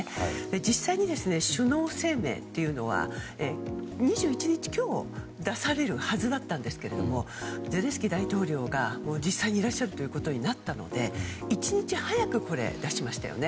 実際に首脳声明は２１日、今日出されるはずだったんですがゼレンスキー大統領が、実際にいらっしゃることになったので１日早く出しましたよね。